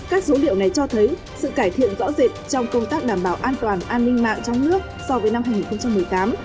các dữ liệu này cho thấy sự cải thiện rõ rệt trong công tác đảm bảo an toàn an ninh mạng trong nước so với năm hai nghìn một mươi tám